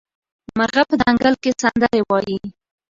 مرغه په ځنګل کې سندرې وايي.